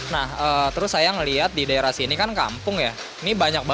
nah terus saya ngeliat di daerah sini kan kampung ya